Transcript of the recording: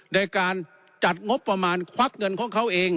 ในการจัดงบประมาณควักเงินของเขาเอง